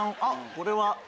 これは？